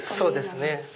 そうですね。